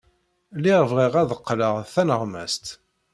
Lliɣ bɣiɣ ad qqleɣ d taneɣmast.